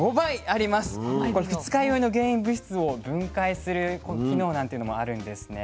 これ「二日酔いの原因物質を分解」する機能なんていうのもあるんですね。